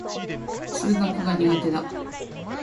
数学が苦手だ。